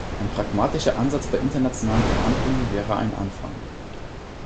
Ein pragmatischerer Ansatz bei internationalen Verhandlungen wäre ein Anfang.